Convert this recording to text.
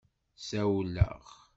Ssawleɣ.